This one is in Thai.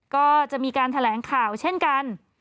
ก็จะมีการแถลงข่าวเช่นกัน